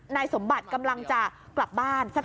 นายสมบัติกำลังจะกลับบ้าน